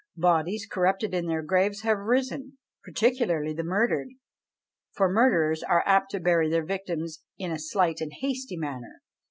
Bodies corrupted in their graves have risen, particularly the murdered; for murderers are apt to bury their victims in a slight and hasty manner.